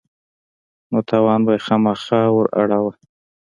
نو تاوان به يې خامخا وراړاوه.